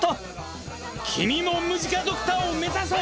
君もムジカドクターを目指そう！